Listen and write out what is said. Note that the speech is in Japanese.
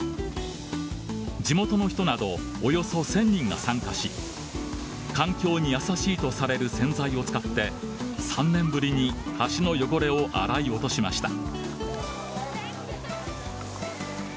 地元の人などおよそ１０００人が参加し環境に優しいとされる洗剤を使って３年ぶりに橋の汚れを洗い落としました。